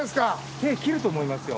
手切ると思いますよ。